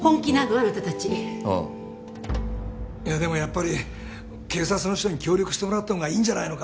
あなた達うんいやでもやっぱり警察の人に協力してもらった方がいいんじゃないのか？